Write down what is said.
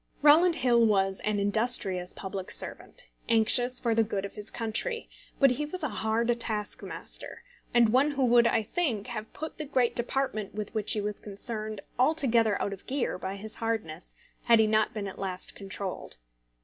Rowland Hill was an industrious public servant, anxious for the good of his country; but he was a hard taskmaster, and one who would, I think, have put the great department with which he was concerned altogether out of gear by his hardness, had he not been at last controlled.